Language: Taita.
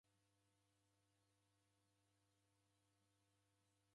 W'aboisire ugho w'asi.